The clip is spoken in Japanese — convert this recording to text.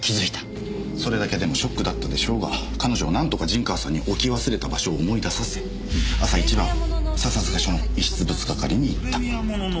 それだけでもショックだったでしょうが彼女はなんとか陣川さんに置き忘れた場所を思い出させ朝一番笹塚署の遺失物係に行った。